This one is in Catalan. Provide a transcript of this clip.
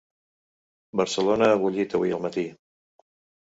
Barcelona ha bullit avui al matí.